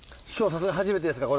さすがに初めてですか？